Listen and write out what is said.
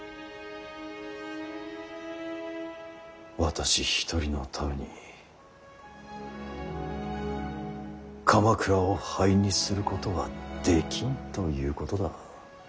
私一人のために鎌倉を灰にすることはできんということだ。